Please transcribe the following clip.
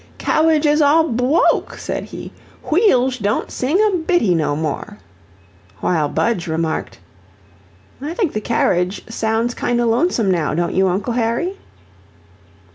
"Cawwidge is all bwoke," said he; "WHEELSH DON'T SING A BITTIE NO MORE," while Budge remarked: "I think the carriage sounds kind o' lonesome now, don't you, Uncle Harry?"